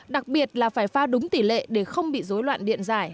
đặc biệt là phải pha đúng tỷ lệ để không bị dối loạn điện giải